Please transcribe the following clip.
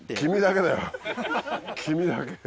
君だけ。